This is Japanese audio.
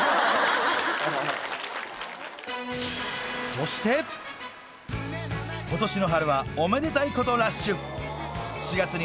そして今年の春はおめでたいことラッシュさらに！